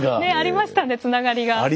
ねえありましたねつながりが。